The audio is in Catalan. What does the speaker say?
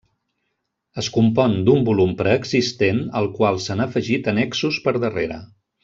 Es compon d'un volum preexistent al qual s'han afegit annexos per darrere.